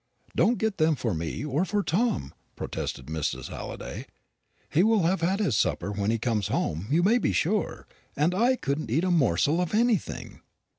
"Don't get them for me, or for Tom," protested Mrs. Halliday; "he will have had his supper when he comes home, you may be sure, and I couldn't eat a morsel of anything."